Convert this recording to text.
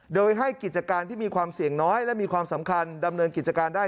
โดยให้กิจการที่มีความเสี่ยงน้อยและมีความสำคัญดำเนินกิจการได้